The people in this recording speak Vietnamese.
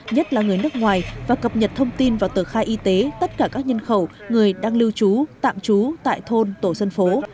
nhất là người nước ngoài và cập nhật thông tin vào tờ khai y tế tất cả các nhân khẩu người đang lưu trú tạm trú tại thôn tổ dân phố